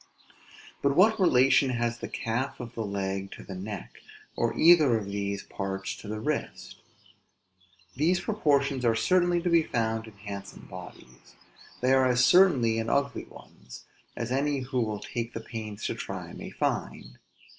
But what relation has the calf of the leg to the neck; or either of these parts to the wrist? These proportions are certainly to be found in handsome bodies. They are as certainly in ugly ones; as any who will take the pains to try may find.